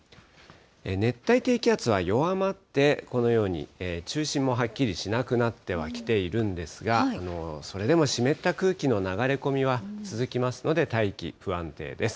熱帯低気圧は弱まって、このように中心もはっきりしなくなってはきているんですが、それでも湿った空気の流れ込みは続きますので、大気、不安定です。